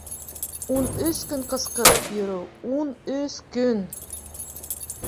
Ун өс көн ҡысҡырып йөрөү, ун өс көн...